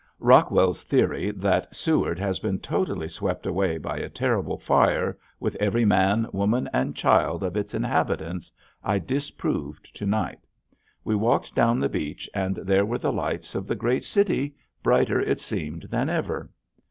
Rockwell's theory that Seward has been totally swept away by a terrible fire, with every man, woman, and child of its inhabitants, I disproved to night. We walked down the beach and there were the lights of the great city brighter it seemed than ever.